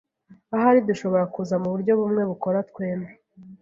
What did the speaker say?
Ahari dushobora kuza muburyo bumwe bukora twembi.